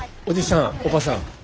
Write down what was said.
おじさんおばさん。